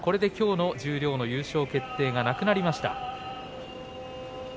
きょうの十両の優勝決定がなくなりました。